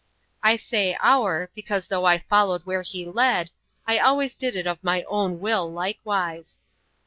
I say OUR, because though I followed where he led, I always did it of my own will likewise.